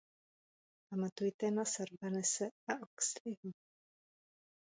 Pamatujte na Sarbanese a Oxleyho!